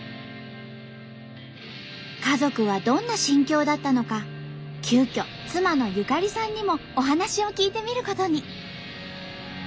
家族はどんな心境だったのか急遽妻のゆかりさんにもお話を聞いてみることに。